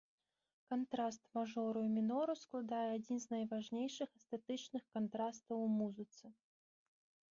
Кантраст мажору і мінору складае адзін з найважнейшых эстэтычных кантрастаў у музыцы.